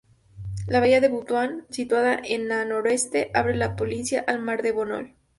La bahía de Butuan, situada an noroeste, abre la provincia al Mar de Bohol.